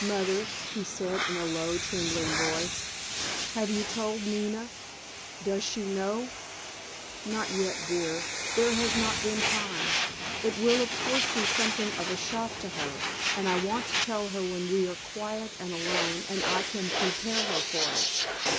"Mother," he said in a low trembling voice, "have you told Nina—does she know?" "Not yet, dear. There has not been time. It will of course be something of a shock to her, and I want to tell her when we are quiet and alone and I can prepare her for it."